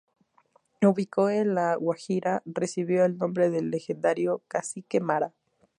Ubicado en la Guajira, recibió el nombre del legendario cacique Mara.